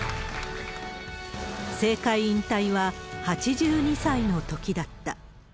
政界引退は８２歳のときだった。